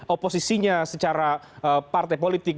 oposisinya secara partai politik